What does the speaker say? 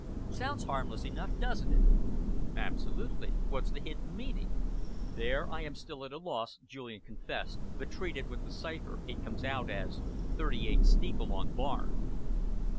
Sounds harmless enough, doesn't it?" "Absolutely. What's the hidden meaning?" "There I am still at a loss," Julian confessed, "but treated with the cipher it comes out as 'Thirty eight steeple on barn.